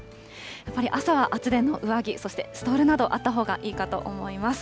やっぱり朝は厚手の上着、そしてストールなど、あったほうがいいかと思います。